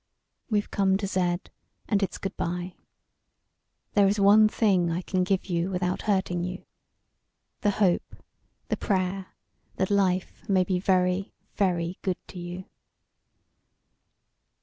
"We've come to Z, and it's good bye. There is one thing I can give you without hurting you, the hope, the prayer, that life may be very, very good to you."